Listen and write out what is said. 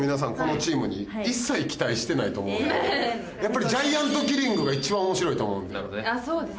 絶対やっぱりジャイアントキリングが一番面白いと思うんであっそうですね